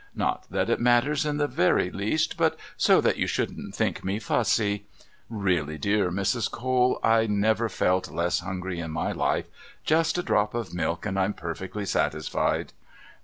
Not that it matters in the very least, but so that you shouldn't think me fussy. Really, dear Mrs. Cole, I never felt less hungry in my life. Just a drop of milk and I'm perfectly satisfied."